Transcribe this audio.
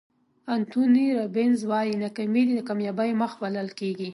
انتوني رابینز وایي ناکامي د کامیابۍ مخ بلل کېږي.